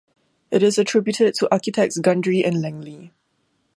It is attributed to architects Gundry and Langley.